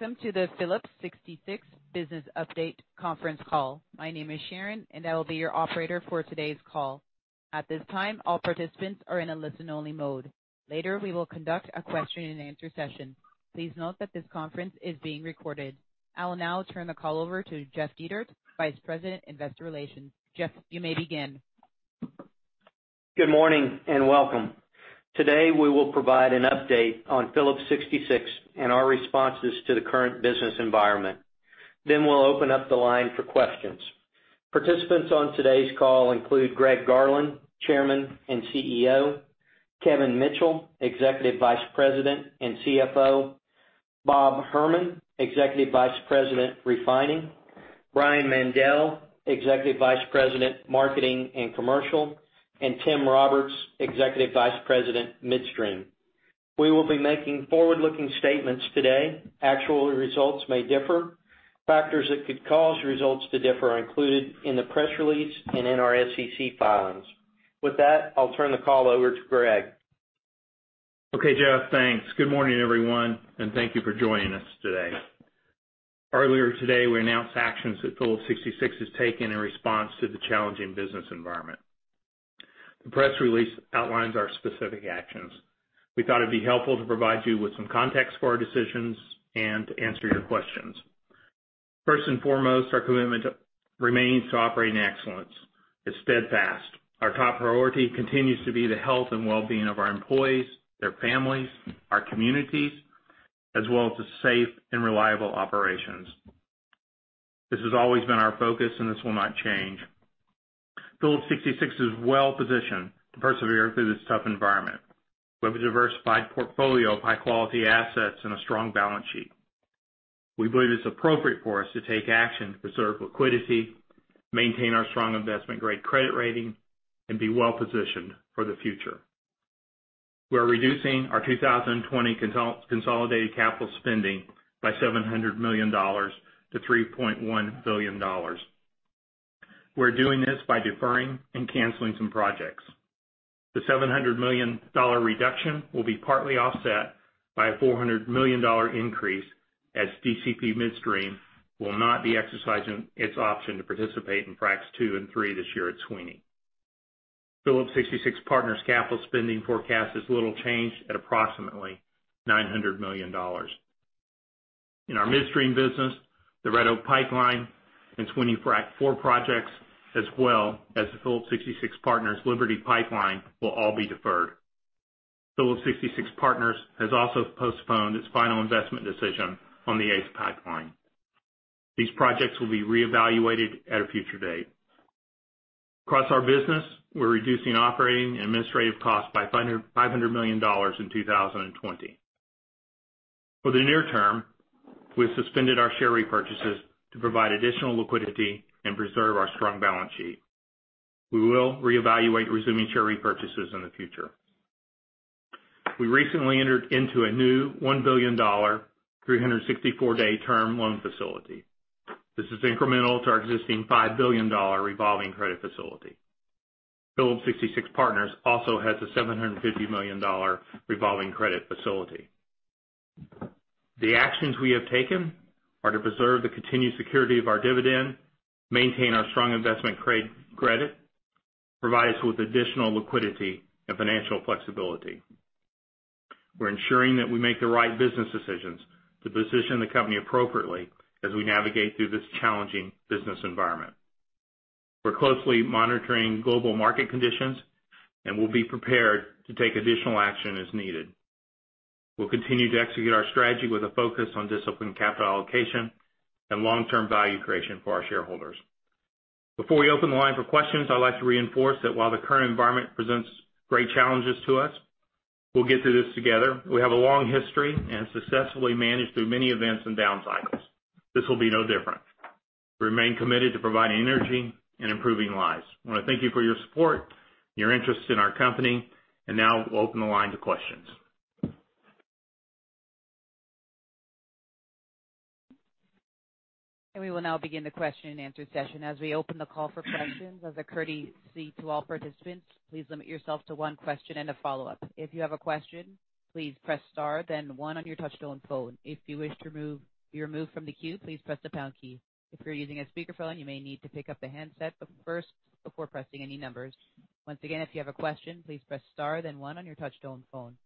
Welcome to the Phillips 66 Business Update Conference Call. My name is Sharon, and I will be your operator for today's call. At this time, all participants are in a listen-only mode. Later, we will conduct a question and answer session. Please note that this conference is being recorded. I will now turn the call over to Jeff Dietert, Vice President, Investor Relations. Jeff, you may begin. Good morning, and welcome. Today we will provide an update on Phillips 66 and our responses to the current business environment. We'll open up the line for questions. Participants on today's call include Greg Garland, Chairman and CEO, Kevin Mitchell, Executive Vice President and CFO, Bob Herman, Executive Vice President, Refining, Brian Mandell, Executive Vice President, Marketing and Commercial, and Tim Roberts, Executive Vice President, Midstream. We will be making forward-looking statements today. Actual results may differ. Factors that could cause results to differ are included in the press release and in our SEC filings. With that, I'll turn the call over to Greg. Okay, Jeff, thanks. Good morning, everyone, thank you for joining us today. Earlier today, we announced actions that Phillips 66 has taken in response to the challenging business environment. The press release outlines our specific actions. We thought it'd be helpful to provide you with some context for our decisions and to answer your questions. First and foremost, our commitment remains to operating excellence. It's steadfast. Our top priority continues to be the health and wellbeing of our employees, their families, our communities, as well as the safe and reliable operations. This has always been our focus, this will not change. Phillips 66 is well-positioned to persevere through this tough environment. We have a diversified portfolio of high-quality assets and a strong balance sheet. We believe it's appropriate for us to take action to preserve liquidity, maintain our strong investment-grade credit rating, and be well-positioned for the future. We're reducing our 2020 consolidated capital spending by $700 million to $3.1 billion. We're doing this by deferring and canceling some projects. The $700 million reduction will be partly offset by a $400 million increase as DCP Midstream will not be exercising its option to participate in Fracs Two and Three this year at Sweeny. Phillips 66 Partners' capital spending forecast is little changed at approximately $900 million. In our midstream business, the Red Oak Pipeline and Sweeny Frac Four projects, as well as the Phillips 66 Partners' Liberty Pipeline, will all be deferred. Phillips 66 Partners has also postponed its final investment decision on the ACE Pipeline. These projects will be reevaluated at a future date. Across our business, we're reducing operating and administrative costs by $500 million in 2020. For the near term, we've suspended our share repurchases to provide additional liquidity and preserve our strong balance sheet. We will reevaluate resuming share repurchases in the future. We recently entered into a new $1 billion 364-day term loan facility. This is incremental to our existing $5 billion revolving credit facility. Phillips 66 Partners also has a $750 million revolving credit facility. The actions we have taken are to preserve the continued security of our dividend, maintain our strong investment-grade credit, provide us with additional liquidity and financial flexibility. We're ensuring that we make the right business decisions to position the company appropriately as we navigate through this challenging business environment. We're closely monitoring global market conditions and will be prepared to take additional action as needed. We'll continue to execute our strategy with a focus on disciplined capital allocation and long-term value creation for our shareholders. Before we open the line for questions, I'd like to reinforce that while the current environment presents great challenges to us, we'll get through this together. We have a long history and successfully managed through many events and down cycles. This will be no different. We remain committed to providing energy and improving lives. I want to thank you for your support, your interest in our company, and now we'll open the line to questions. We will now begin the question and answer session. As we open the call for questions, as a courtesy to all participants, please limit yourself to one question and a follow-up. If you have a question, please press star then one on your touchtone phone. If you wish to be removed from the queue, please press the pound key. If you're using a speakerphone, you may need to pick up the handset first before pressing any numbers. Once again, if you have a question, please press star then one on your touchtone phone.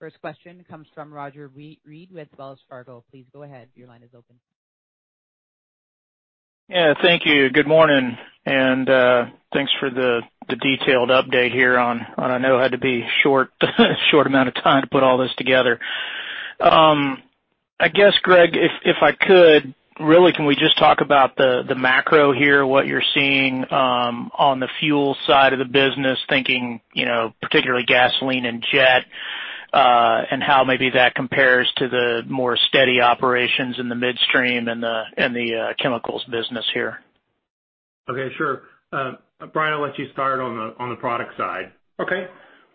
First question comes from Roger Read with Wells Fargo. Please go ahead. Your line is open. Yeah. Thank you. Good morning, thanks for the detailed update here. I know it had to be short amount of time to put all this together. I guess, Greg, if I could, really, can we just talk about the macro here, what you're seeing, on the fuel side of the business, thinking particularly gasoline and jet, and how maybe that compares to the more steady operations in the midstream and the chemicals business here? Okay, sure. Brian, I'll let you start on the product side. Okay.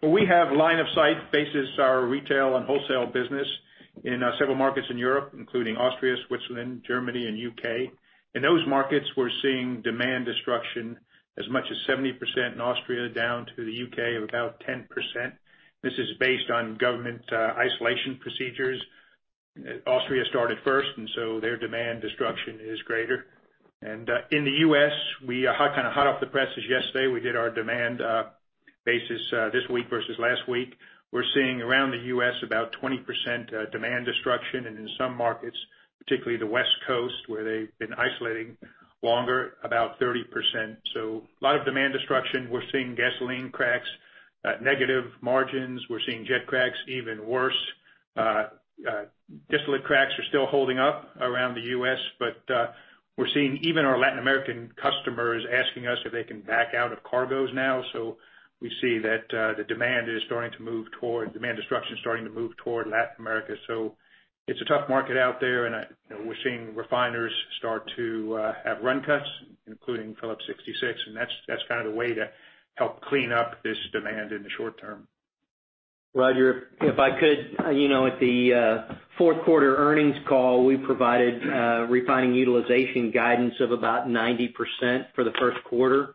Well, we have line of sight basis to our retail and wholesale business in several markets in Europe, including Austria, Switzerland, Germany, and U.K. In those markets, we're seeing demand destruction as much as 70% in Austria down to the U.K. of about 10%. This is based on government isolation procedures. Austria started first, their demand destruction is greater. In the U.S., we are kind of hot off the presses yesterday. We did our demand basis this week versus last week. We're seeing around the U.S. about 20% demand destruction, and in some markets, particularly the West Coast, where they've been isolating longer, about 30%. A lot of demand destruction. We're seeing gasoline cracks, negative margins. We're seeing jet cracks even worse. Distillate cracks are still holding up around the U.S., but we're seeing even our Latin American customers asking us if they can back out of cargoes now. We see that the demand destruction is starting to move toward Latin America. It's a tough market out there, and we're seeing refiners start to have run cuts, including Phillips 66. That's kind of the way to help clean up this demand in the short term. Roger, if I could, at the fourth quarter earnings call, we provided refining utilization guidance of about 90% for the first quarter.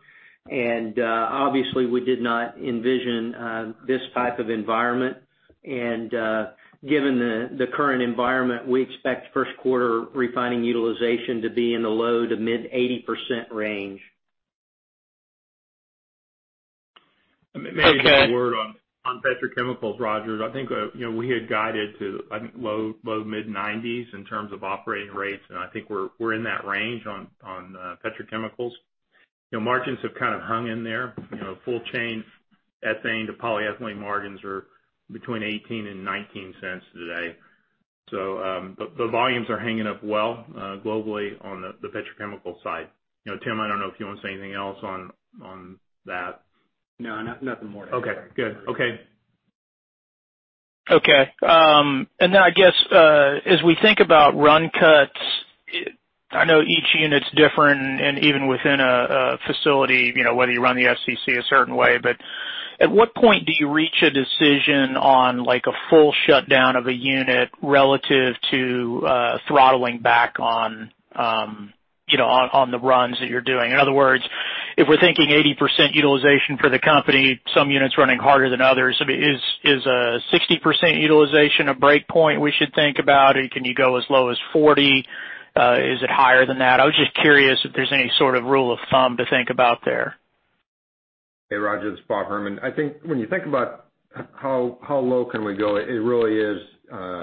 Obviously, we did not envision this type of environment. Given the current environment, we expect first quarter refining utilization to be in the low to mid 80% range. Maybe just a word- Okay on petrochemicals, Roger. I think we had guided to, I think, low to mid 90s in terms of operating rates. I think we're in that range on petrochemicals. Margins have kind of hung in there. Full chain ethane to polyethylene margins are between $0.18 and $0.19 today. The volumes are hanging up well globally on the petrochemical side. Tim, I don't know if you want to say anything else on that. No, nothing more to add. Okay, good. Okay. Okay. I guess, as we think about run cuts, I know each unit's different and even within a facility, whether you run the FCC a certain way, but at what point do you reach a decision on a full shutdown of a unit relative to throttling back on the runs that you're doing? In other words, if we're thinking 80% utilization for the company, some units running harder than others, is a 60% utilization a break point we should think about? Can you go as low as 40? Is it higher than that? I was just curious if there's any sort of rule of thumb to think about there. Hey, Roger, this is Bob Herman. I think when you think about how low can we go, it really is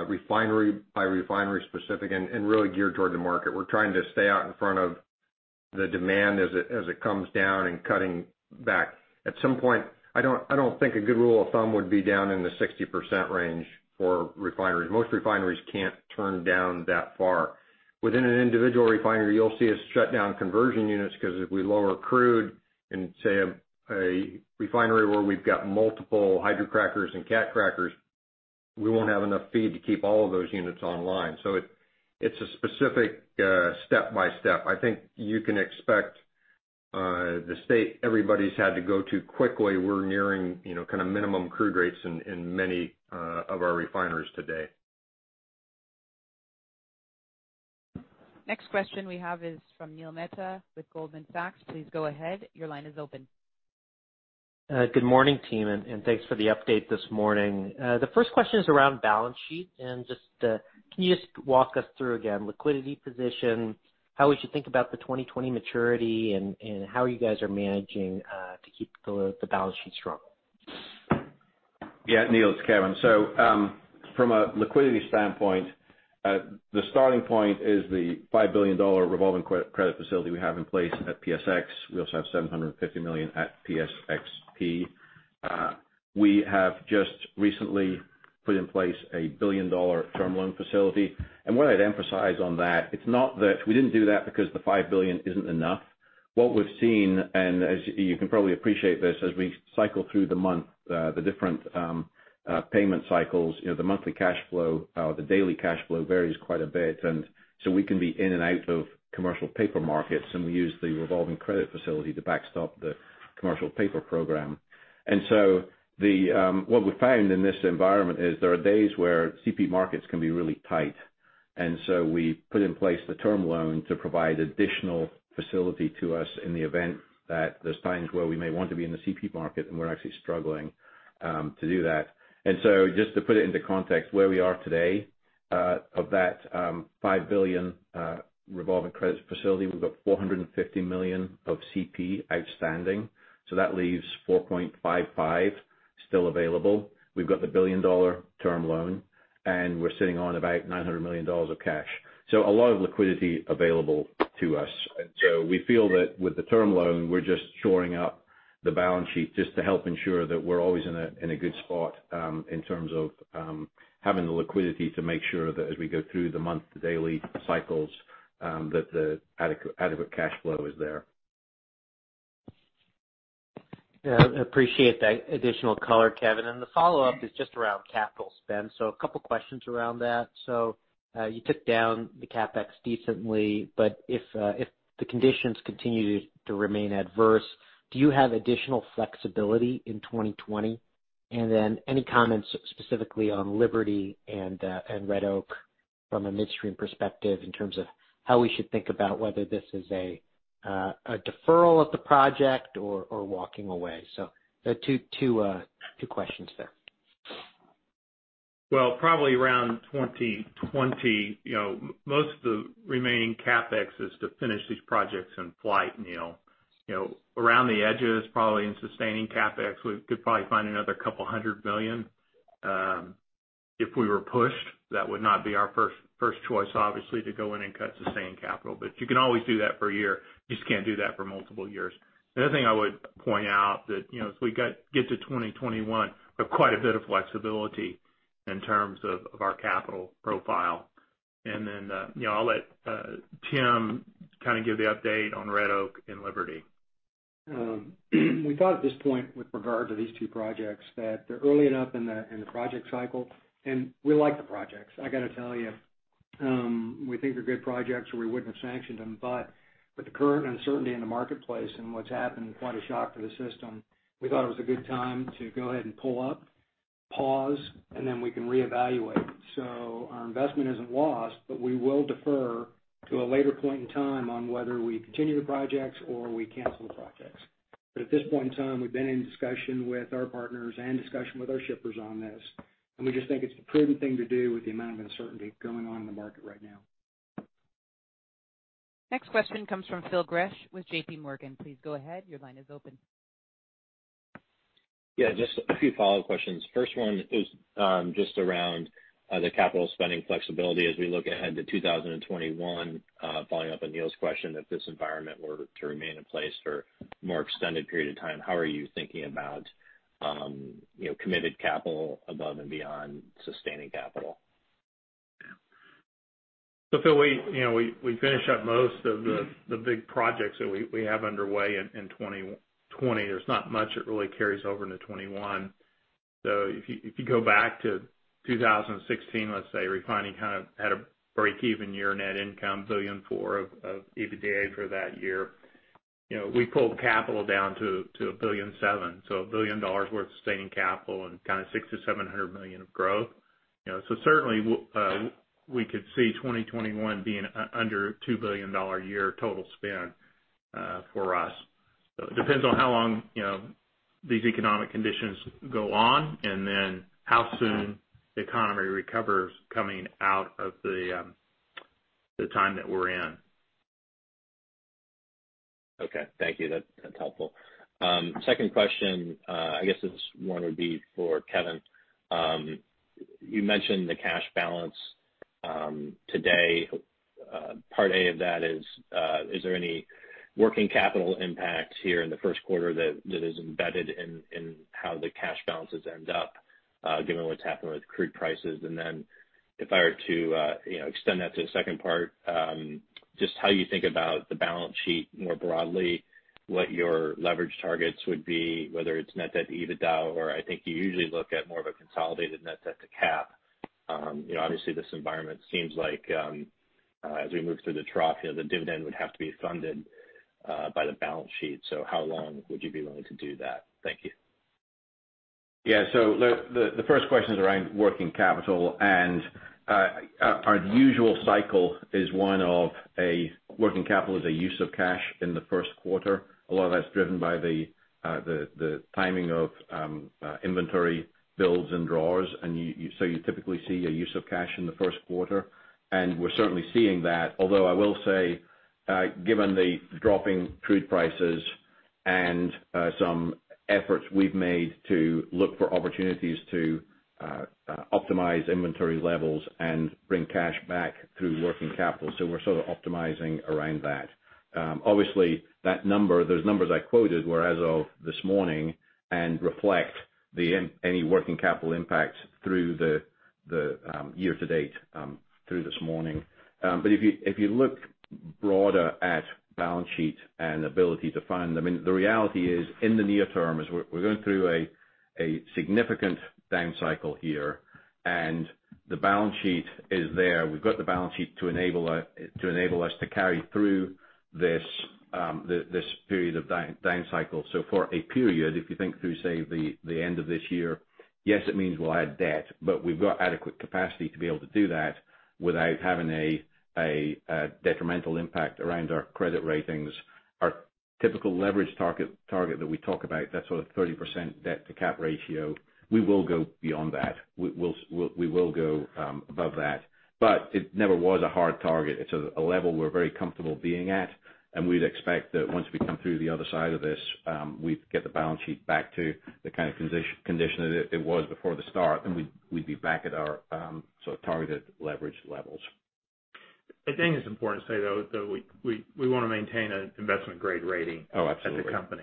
refinery by refinery specific and really geared toward the market. We're trying to stay out in front of the demand as it comes down and cutting back. At some point, I don't think a good rule of thumb would be down in the 60% range for refineries. Most refineries can't turn down that far. Within an individual refinery, you'll see us shut down conversion units because if we lower crude in, say, a refinery where we've got multiple hydrocrackers and cat crackers, we won't have enough feed to keep all of those units online. It's a specific step by step. I think you can expect the state everybody's had to go to quickly. We're nearing kind of minimum crude rates in many of our refineries today. Next question we have is from Neil Mehta with Goldman Sachs. Please go ahead. Your line is open. Good morning, team. Thanks for the update this morning. The first question is around balance sheet. Can you just walk us through, again, liquidity position, how we should think about the 2020 maturity, and how you guys are managing to keep the balance sheet strong? Yeah, Neil, it's Kevin. From a liquidity standpoint, the starting point is the $5 billion revolving credit facility we have in place at PSX. We also have $750 million at PSXP. We have just recently put in place a billion-dollar term loan facility. What I'd emphasize on that, it's not that we didn't do that because the $5 billion isn't enough. What we've seen, and as you can probably appreciate this, as we cycle through the month, the different payment cycles, the monthly cash flow, the daily cash flow varies quite a bit. We can be in and out of commercial paper markets, and we use the revolving credit facility to backstop the commercial paper program. What we found in this environment is there are days where CP markets can be really tight. We put in place the term loan to provide additional facility to us in the event that there's times where we may want to be in the CP market and we're actually struggling to do that. Just to put it into context, where we are today, of that $5 billion revolving credit facility, we've got $450 million of CP outstanding. That leaves $4.55 still available. We've got the billion-dollar term loan, and we're sitting on about $900 million of cash. A lot of liquidity available to us. We feel that with the term loan, we're just shoring up the balance sheet just to help ensure that we're always in a good spot in terms of having the liquidity to make sure that as we go through the month-to-daily cycles, that the adequate cash flow is there. Yeah, I appreciate that additional color, Kevin. The follow-up is just around capital spend. A couple questions around that. You took down the CapEx decently, but if the conditions continue to remain adverse, do you have additional flexibility in 2020? Any comments specifically on Liberty and Red Oak from a midstream perspective in terms of how we should think about whether this is a a deferral of the project or walking away? Two questions there. Probably around 2020, most of the remaining CapEx is to finish these projects in flight, Neil. Around the edges, probably in sustaining CapEx, we could probably find another $200 million. If we were pushed, that would not be our first choice, obviously, to go in and cut sustained capital. You can always do that for a year, you just can't do that for multiple years. The other thing I would point out that as we get to 2021, we have quite a bit of flexibility in terms of our capital profile. I'll let Tim kind of give the update on Red Oak and Liberty. We thought at this point with regard to these two projects, that they're early enough in the project cycle, and we like the projects, I got to tell you. We think they're good projects or we wouldn't have sanctioned them. With the current uncertainty in the marketplace and what's happened, quite a shock to the system, we thought it was a good time to go ahead and pull up, pause, and then we can reevaluate. Our investment isn't lost, but we will defer to a later point in time on whether we continue the projects or we cancel the projects. At this point in time, we've been in discussion with our partners and discussion with our shippers on this, and we just think it's the prudent thing to do with the amount of uncertainty going on in the market right now. Next question comes from Phil Gresh with JPMorgan. Please go ahead. Your line is open. Yeah, just a few follow-up questions. First one is just around the capital spending flexibility as we look ahead to 2021. Following up on Neil's question, if this environment were to remain in place for a more extended period of time, how are you thinking about committed capital above and beyond sustaining capital? Phil, we finish up most of the big projects that we have underway in 2020. There's not much that really carries over into 2021. If you go back to 2016, let's say, refining kind of had a breakeven year net income, $1.4 billion of EBITDA for that year. We pulled capital down to $1.7 billion. A billion dollars worth of sustaining capital and kind of $600 million-$700 million of growth. Certainly, we could see 2021 being under $2 billion a year total spend for us. It depends on how long these economic conditions go on, how soon the economy recovers coming out of the time that we're in. Okay. Thank you. That's helpful. Second question, I guess this one would be for Kevin. You mentioned the cash balance today. Part A of that is there any working capital impact here in the first quarter that is embedded in how the cash balances end up given what's happened with crude prices? Then if I were to extend that to the second part, just how you think about the balance sheet more broadly, what your leverage targets would be, whether it's net debt to EBITDA, or I think you usually look at more of a consolidated net debt-to-cap. Obviously, this environment seems like as we move through the trough here, the dividend would have to be funded by the balance sheet. How long would you be willing to do that? Thank you. Yeah. The first question is around working capital, and our usual cycle is one of a working capital as a use of cash in the first quarter. A lot of that's driven by the timing of inventory builds and draws, and so you typically see a use of cash in the first quarter, and we're certainly seeing that. Although I will say, given the dropping crude prices and some efforts we've made to look for opportunities to optimize inventory levels and bring cash back through working capital. We're sort of optimizing around that. Obviously, those numbers I quoted were as of this morning and reflect any working capital impact through the year-to-date through this morning. If you look broader at balance sheet and ability to fund them, the reality is in the near term, as we're going through a significant down cycle here, the balance sheet is there. We've got the balance sheet to enable us to carry through this period of down cycle. For a period, if you think through, say, the end of this year, yes, it means we'll add debt, we've got adequate capacity to be able to do that without having a detrimental impact around our credit ratings. Our typical leverage target that we talk about, that sort of 30% debt-to-cap ratio, we will go beyond that. We will go above that. It never was a hard target. It's a level we're very comfortable being at, and we'd expect that once we come through the other side of this, we'd get the balance sheet back to the kind of condition that it was before the start, and we'd be back at our sort of targeted leverage levels. I think it's important to say, though, that we want to maintain an investment-grade rating. Oh, absolutely. as a company.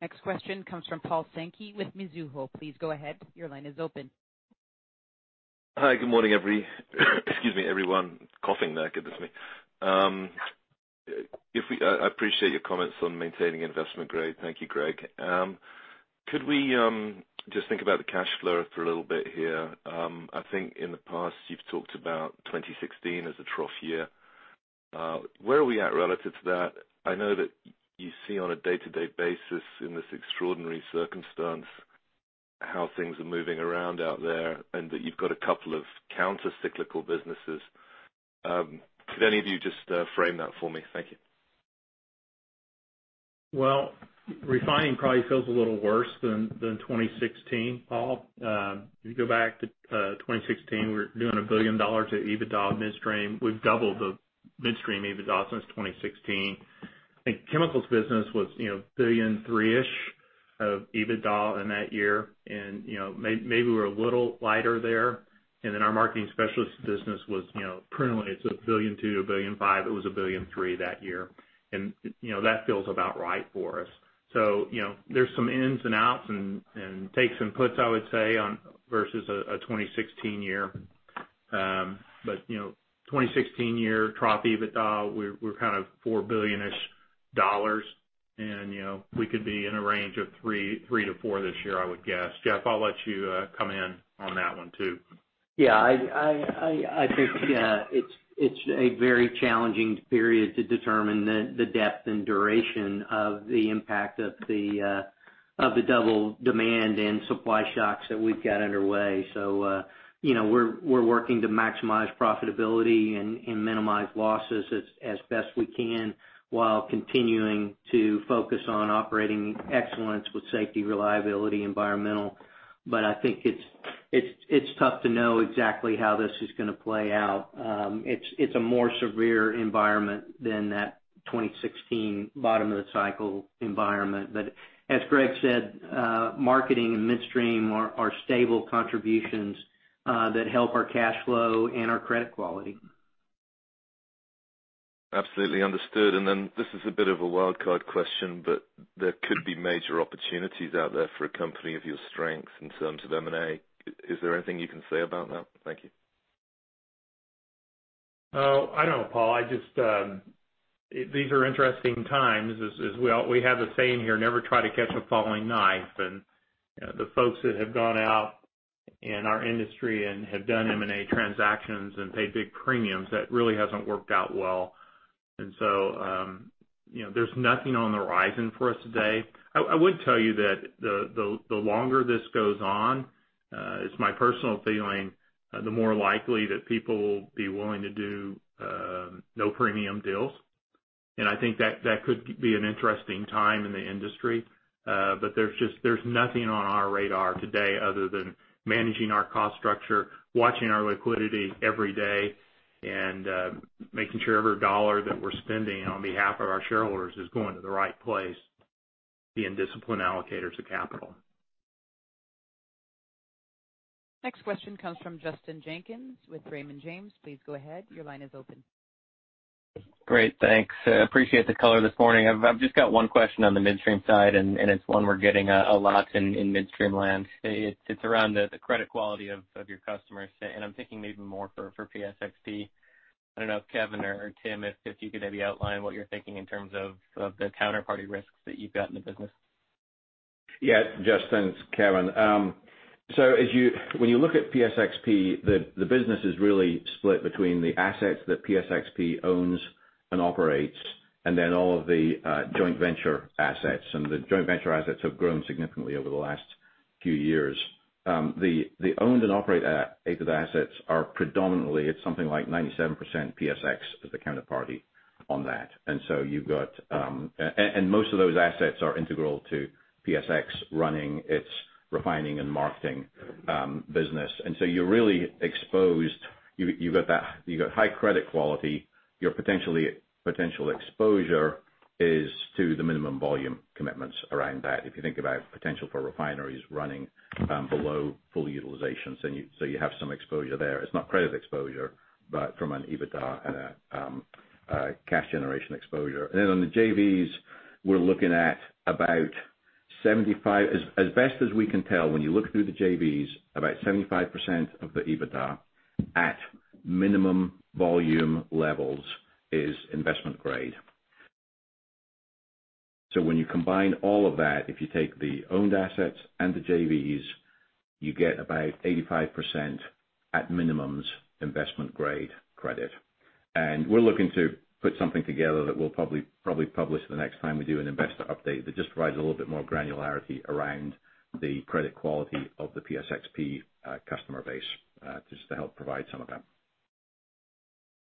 Next question comes from Paul Sankey with Mizuho. Please go ahead. Your line is open. Hi, good morning. Excuse me, everyone. Coughing there. Excuse me. I appreciate your comments on maintaining investment-grade. Thank you, Greg. Could we just think about the cash flow for a little bit here? I think in the past you've talked about 2016 as a trough year. Where are we at relative to that? I know that you see on a day-to-day basis in this extraordinary circumstance How things are moving around out there, that you've got a couple of counter-cyclical businesses. Could any of you just frame that for me? Thank you. Well, refining probably feels a little worse than 2016, Paul. If you go back to 2016, we were doing $1 billion of EBITDA midstream. We've doubled the midstream EBITDA since 2016. I think chemicals business was, $1.3 billion-ish of EBITDA in that year. Maybe we're a little lighter there. Our marketing specialist business was, currently, it's $1.2 billion, $1.5 billion. It was $1.3 billion that year. That feels about right for us. There's some ins and outs and takes and puts, I would say, versus a 2016 year. 2016 year trough EBITDA, we're kind of $4 billion-ish and we could be in a range of $3 billion-$4 billion this year, I would guess. Jeff, I'll let you come in on that one too. I think it's a very challenging period to determine the depth and duration of the impact of the double demand and supply shocks that we've got underway. We're working to maximize profitability and minimize losses as best we can while continuing to focus on operating excellence with safety, reliability, environmental. I think it's tough to know exactly how this is going to play out. It's a more severe environment than that 2016 bottom of the cycle environment. As Greg said, marketing and midstream are stable contributions that help our cash flow and our credit quality. Absolutely understood. This is a bit of a wildcard question, but there could be major opportunities out there for a company of your strength in terms of M&A. Is there anything you can say about that? Thank you. I don't know, Paul. These are interesting times. We have a saying here, "Never try to catch a falling knife." The folks that have gone out in our industry and have done M&A transactions and paid big premiums, that really hasn't worked out well. There's nothing on the horizon for us today. I would tell you that the longer this goes on, it's my personal feeling, the more likely that people will be willing to do no premium deals. I think that could be an interesting time in the industry. There's nothing on our radar today other than managing our cost structure, watching our liquidity every day, and making sure every dollar that we're spending on behalf of our shareholders is going to the right place, being disciplined allocators of capital. Next question comes from Justin Jenkins with Raymond James. Please go ahead. Your line is open. Great. Thanks. Appreciate the color this morning. I've just got one question on the midstream side, and it's one we're getting a lot in midstream land. It's around the credit quality of your customers, and I'm thinking maybe more for PSXP. I don't know if Kevin or Tim, if you could maybe outline what you're thinking in terms of the counterparty risks that you've got in the business. Yeah, Justin, it's Kevin. When you look at PSXP, the business is really split between the assets that PSXP owns and operates, and then all of the joint venture assets. The joint venture assets have grown significantly over the last few years. The owned and operated assets are predominantly, it's something like 97% PSX is the counterparty on that. Most of those assets are integral to PSX running its refining and marketing business. You're really exposed. You've got high credit quality. Your potential exposure is to the Minimum Volume Commitments around that, if you think about potential for refineries running below full utilization. You have some exposure there. It's not credit exposure, but from an EBITDA and a cash generation exposure. On the JVs, as best as we can tell, when you look through the JVs, about 75% of the EBITDA at minimum volume levels is investment grade. When you combine all of that, if you take the owned assets and the JVs, you get about 85% at minimums investment-grade credit. We're looking to put something together that we'll probably publish the next time we do an investor update, that just provides a little bit more granularity around the credit quality of the PSXP customer base, just to help provide some of that.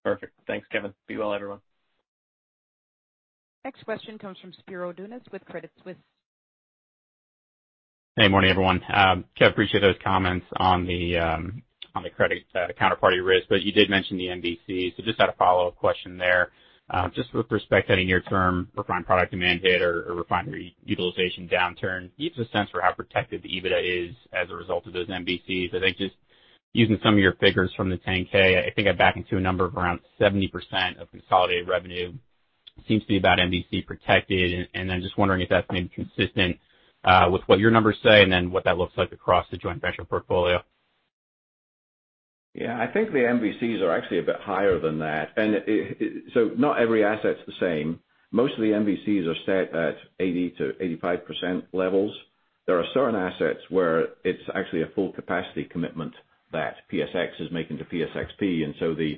Perfect. Thanks, Kevin. Be well, everyone. Next question comes from Spiro Dounis with Credit Suisse. Hey, morning, everyone. Kev, appreciate those comments on the credit counterparty risk, but you did mention the MVC, so just had a follow-up question there. Just with respect to any near-term refined product demand hit or refinery utilization downturn, give us a sense for how protected the EBITDA is as a result of those MVCs. I think just using some of your figures from the 10-K, I think I back into a number of around 70% of consolidated revenue seems to be about MVC protected, and then just wondering if that's maybe consistent with what your numbers say and then what that looks like across the joint venture portfolio. Yeah, I think the MVCs are actually a bit higher than that. Not every asset's the same. Most of the MVCs are set at 80%-85% levels. There are certain assets where it's actually a full capacity commitment that PSX is making to PSXP,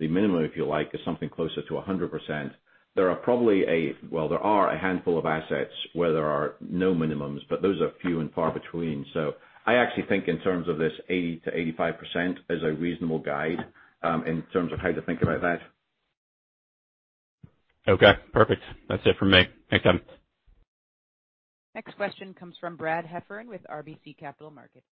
the minimum, if you like, is something closer to 100%. There are probably well, there are a handful of assets where there are no minimums, those are few and far between. I actually think in terms of this 80%-85% is a reasonable guide in terms of how to think about that. Okay, perfect. That's it for me. Thanks, Kevin. Next question comes from Brad Heffern with RBC Capital Markets.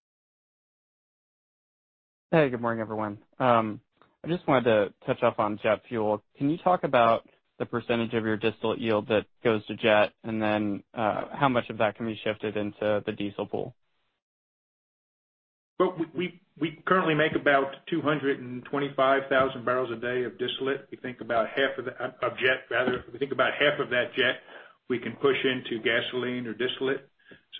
Hey, good morning, everyone. I just wanted to touch up on jet fuel. Can you talk about the percentage of your distillate yield that goes to jet, and then how much of that can be shifted into the diesel pool? We currently make about 225,000 barrels a day of distillate. We think about half of that jet, we can push into gasoline or distillate.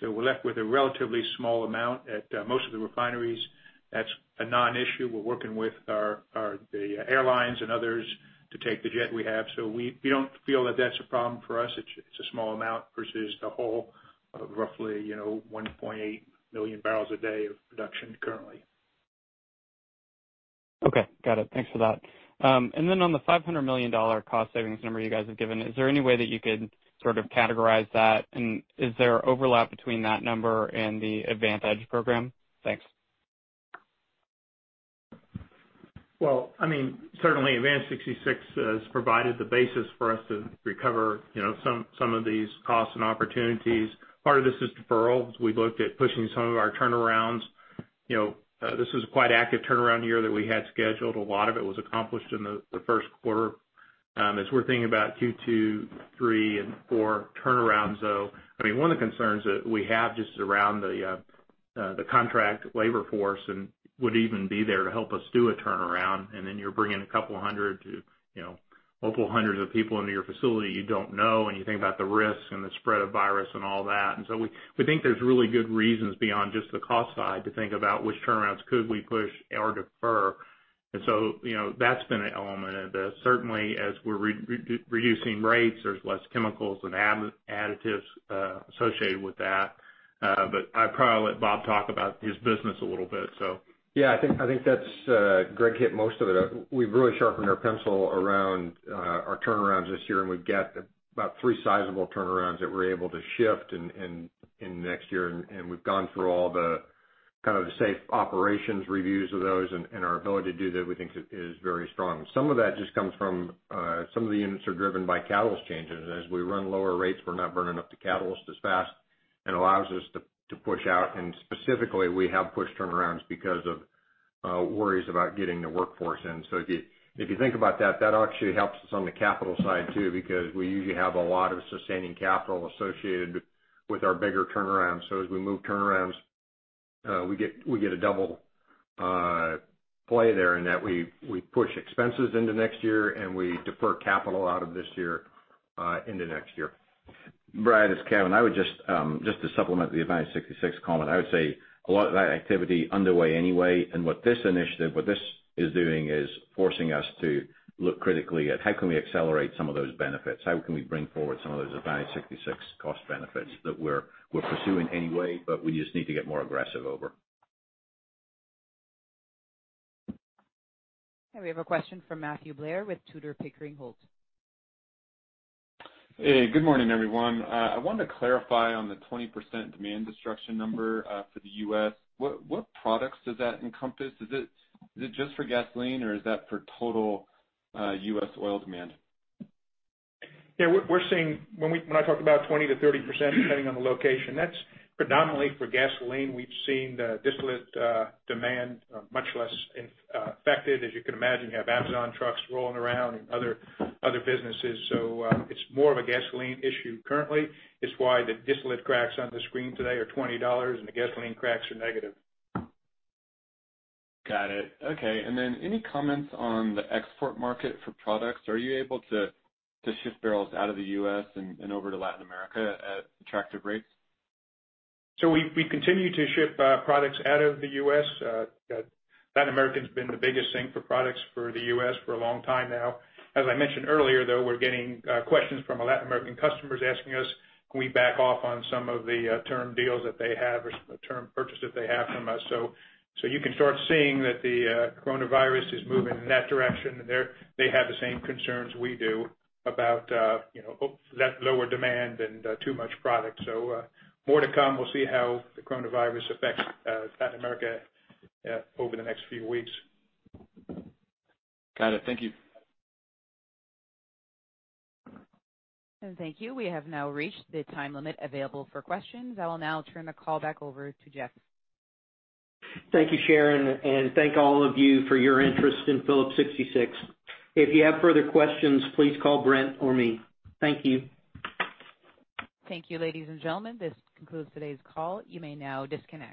We're left with a relatively small amount at most of the refineries. That's a non-issue. We're working with the airlines and others to take the jet we have. We don't feel that that's a problem for us. It's a small amount versus the whole of roughly 1.8 million barrels a day of production currently. Okay, got it. Thanks for that. On the $500 million cost savings number you guys have given, is there any way that you could sort of categorize that? Is there overlap between that number and the Advantage program? Thanks. Well, certainly Advantage 66 has provided the basis for us to recover some of these costs and opportunities. Part of this is deferral. We've looked at pushing some of our turnarounds. This was a quite active turnaround year that we had scheduled. A lot of it was accomplished in the first quarter. As we're thinking about Q2, Q3, and Q4 turnarounds, though, one of the concerns that we have just is around the contract labor force and would even be there to help us do a turnaround, and then you're bringing a couple hundred to multiple hundreds of people into your facility you don't know, and you think about the risk and the spread of virus and all that. We think there's really good reasons beyond just the cost side to think about which turnarounds could we push or defer. That's been an element of this. Certainly, as we're reducing rates, there's less chemicals and additives associated with that. I'll probably let Bob talk about his business a little bit. Yeah, I think Greg hit most of it. We've really sharpened our pencil around our turnarounds this year, and we've got about three sizable turnarounds that we're able to shift in the next year, and we've gone through all the kind of the safe operations reviews of those, and our ability to do that we think is very strong. Some of that just comes from some of the units are driven by catalyst changes. As we run lower rates, we're not burning up the catalyst as fast and allows us to push out. Specifically, we have pushed turnarounds because of worries about getting the workforce in. If you think about that actually helps us on the capital side too, because we usually have a lot of sustaining capital associated with our bigger turnarounds. As we move turnarounds, we get a double play there in that we push expenses into next year, and we defer capital out of this year into next year. Brad, it's Kevin. Just to supplement the Advantage 66 comment, I would say a lot of that activity underway anyway, what this initiative, what this is doing is forcing us to look critically at how can we accelerate some of those benefits? How can we bring forward some of those Advantage 66 cost benefits that we're pursuing anyway, we just need to get more aggressive over? We have a question from Matthew Blair with Tudor, Pickering, Holt & Co. Hey, good morning, everyone. I wanted to clarify on the 20% demand destruction number for the U.S. What products does that encompass? Is it just for gasoline, or is that for total U.S. oil demand? When I talk about 20%-30%, depending on the location, that's predominantly for gasoline. We've seen the distillate demand much less affected. As you can imagine, you have Amazon trucks rolling around and other businesses. It's more of a gasoline issue currently. It's why the distillate cracks on the screen today are $20 and the gasoline cracks are negative. Got it. Okay. Any comments on the export market for products? Are you able to ship barrels out of the U.S. and over to Latin America at attractive rates? We continue to ship products out of the U.S. Latin America's been the biggest thing for products for the U.S. for a long time now. As I mentioned earlier, though, we're getting questions from Latin American customers asking us, can we back off on some of the term deals that they have or some of the term purchases they have from us. You can start seeing that the coronavirus is moving in that direction, and they have the same concerns we do about lower demand and too much product. More to come. We'll see how the coronavirus affects Latin America over the next few weeks. Got it. Thank you. Thank you. We have now reached the time limit available for questions. I will now turn the call back over to Jeff. Thank you, Sharon, and thank all of you for your interest in Phillips 66. If you have further questions, please call Brent or me. Thank you. Thank you, ladies and gentlemen. This concludes today's call. You may now disconnect.